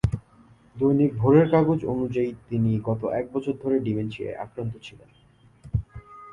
দৈনিক ভোরের কাগজ অনুযায়ী, তিনি গত এক বছর ধরে ডিমেনশিয়ায় আক্রান্ত ছিলেন।